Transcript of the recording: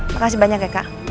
makasih banyak ya kak